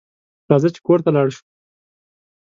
راځه چې کور ته لاړ شو